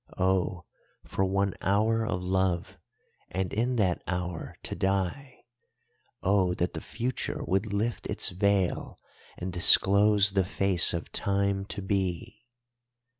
Oh, for one hour of love and in that hour to die! Oh that the future would lift its veil and disclose the face of time to be!